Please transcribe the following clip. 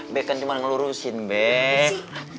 bek kan cuma ngelurusin bek